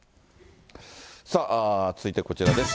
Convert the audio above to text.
さあ、続いてこちらです。